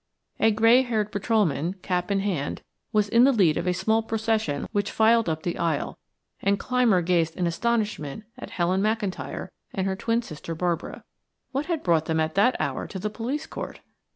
A gray haired patrolman, cap in hand, was in the lead of the small procession which filed up the aisle, and Clymer gazed in astonishment at Helen McIntyre and her twin sister, Barbara. What had brought them at that hour to the police court?